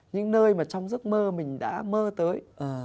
những nơi mà trong giấc mơ mình đã mơ tới